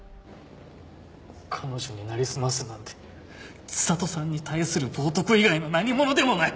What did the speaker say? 彼女になりすますなんて知里さんに対する冒涜以外の何ものでもない！